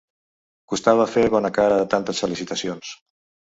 Costava fer bona cara a tantes felicitacions.